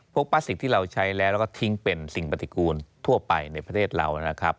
พลาสติกที่เราใช้แล้วแล้วก็ทิ้งเป็นสิ่งปฏิกูลทั่วไปในประเทศเรานะครับ